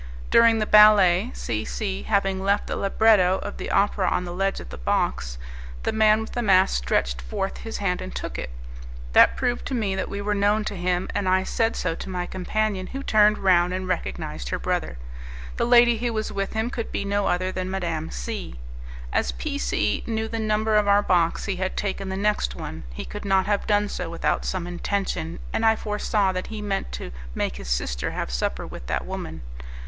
During the ballet, C C having left the libretto of the opera on the ledge of the box, the man with the mask stretched forth his hand and took it. That proved to me that we were known to him, and I said so to my companion, who turned round and recognized her brother. The lady who was with him could be no other than Madame C . As P C knew the number of our box, he had taken the next one; he could not have done so without some intention, and I foresaw that he meant to make his sister have supper with that woman.